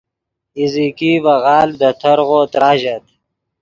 ایزیکی ڤے غالڤ دے ترغو تراژت